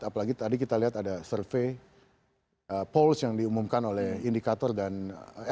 apalagi tadi kita lihat ada survei polse yang diumumkan oleh indikator dan